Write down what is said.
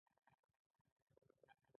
• باد هم د برېښنا د تولید وسیله ده.